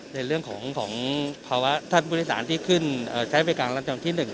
ในเรื่องของของภาวะท่านบริษัทที่ขึ้นเอ่อใช้บริการลังจำที่หนึ่ง